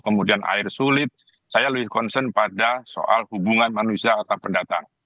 kemudian air sulit saya lebih concern pada soal hubungan manusia atau pendatang